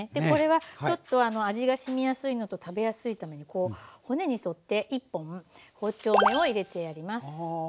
これはちょっと味がしみやすいのと食べやすいためにこう骨に沿って１本包丁目を入れてやります。